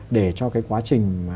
để cho quá trình